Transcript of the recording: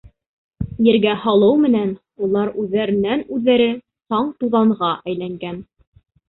Ергә һалыу менән улар үҙҙәренән-үҙҙәре саң-туҙанға әйләнгән.